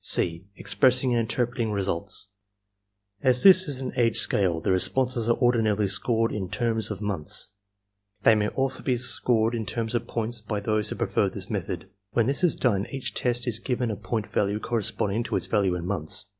(c) EXPRESSING AND INTERPRETING RESULTS As this is an age scale, the responses are ordinarily scored in terms of months. They may also be scored in terms of points by those who prefer this method. When this is done, each test is given a point value corresponding to its value in months.